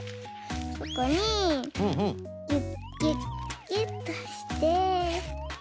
ここにギュッギュッギュッとして。